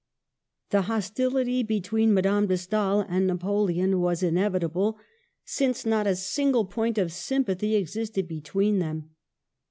The hostility between Madame de Stael and Napoleon was inevitable, since not a single point of sympathy existed between them.